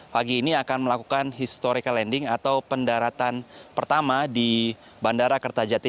pagi ini akan melakukan historical landing atau pendaratan pertama di bandara kertajati